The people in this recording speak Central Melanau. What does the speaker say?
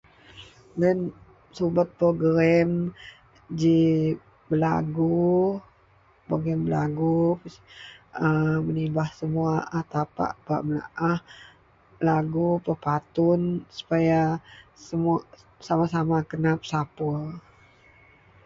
Diyen, subet progerem ji belagu. Progerem belagu a menibah semuwa a tapak bak menaah lagu, pepatun supaya semu sama-sama kena pesapur